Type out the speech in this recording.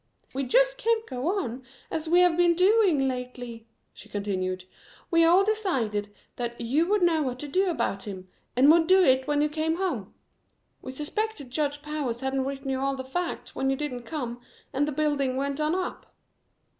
"We just can't go on as we have been doing lately," she continued. "We all decided that you would know what to do about him, and would do it when you came home. We suspected Judge Powers hadn't written you all the facts when you didn't come and the building went on up.